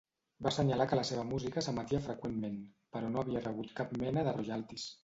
Va assenyalar que la seva música s'emetia freqüentment, però no havia rebut cap mena de royaltys.